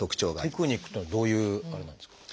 テクニックっていうのはどういうあれなんですか？